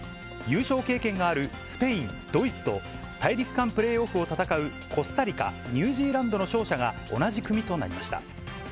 優勝経験があるスペイン、ドイツと大陸間プレーオフを戦うコスタリカ、ニュージーランドの勝者が同じ組となりました。